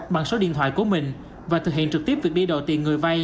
bằng số điện thoại của mình và thực hiện trực tiếp việc đi đổ tiền người vai